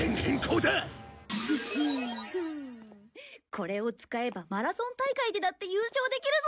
これを使えばマラソン大会でだって優勝できるぞ！